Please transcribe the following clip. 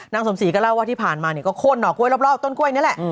สมศรีก็เล่าว่าที่ผ่านมาเนี่ยก็โค้นหนอกล้วยรอบต้นกล้วยนี่แหละ